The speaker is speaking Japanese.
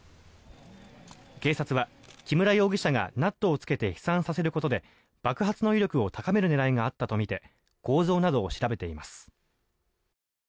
警察は木村容疑者がナットをつけて飛散させることで爆発の威力を高める狙いがあったとみて構造などを調べています。